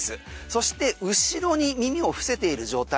そして後ろに耳を伏せている状態。